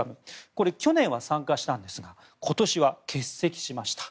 これ、去年は参加したんですが今年は欠席しました。